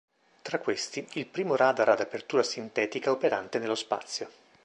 Tra questi, il primo radar ad apertura sintetica operante nello spazio.